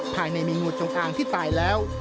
ภายในมีงูจงอางที่ตายแล้ว